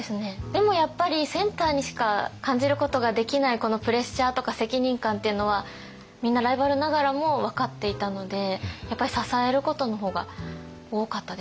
でもやっぱりセンターにしか感じることができないこのプレッシャーとか責任感っていうのはみんなライバルながらも分かっていたのでやっぱり支えることの方が多かったですね。